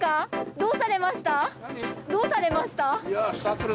どうされました？